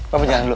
papa jalan dulu